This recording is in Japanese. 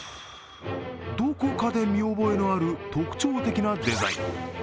どこかで見覚えのある特徴的なデザイン。